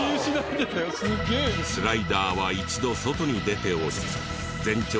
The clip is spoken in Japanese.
スライダーは一度外に出ており全長